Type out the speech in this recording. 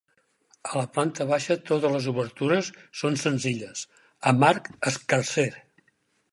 A la planta baixa totes les obertures són senzilles, amb arc escarser.